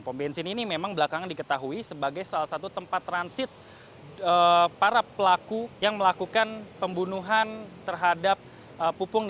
pom bensin ini memang belakangan diketahui sebagai salah satu tempat transit para pelaku yang melakukan pembunuhan terhadap pupung